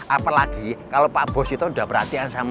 apalagi kalau pak bos itu sudah perhatian sama